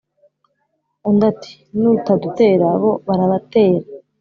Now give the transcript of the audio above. undi ati"nitudatera bo baratera